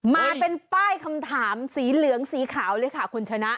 มาเป็นป้ายคำถามสีเหลืองสีขาวเลยค่ะคุณชนะ